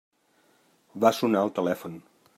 Va sonar el telèfon.